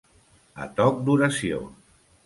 A toc d'oració.